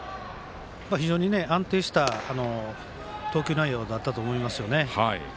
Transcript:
非常に安定した投球内容だったと思います。